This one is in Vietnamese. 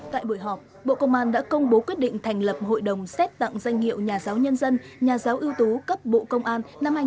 tại buổi họp bộ công an đã công bố quyết định thành lập hội đồng xét tặng danh hiệu nhà giáo nhân dân nhà giáo ưu tú cấp bộ công an năm hai nghìn hai mươi ba